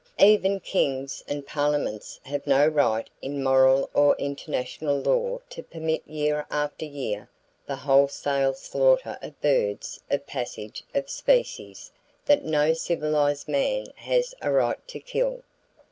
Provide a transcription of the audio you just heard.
Even kings and parliaments have no right in moral or international law to permit year after year the wholesale slaughter of birds of passage of species that no civilized man has a right to kill.